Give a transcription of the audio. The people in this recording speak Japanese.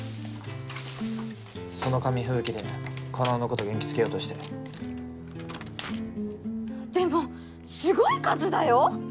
その紙吹雪で叶のこと元気づけようとしてでもすごい数だよ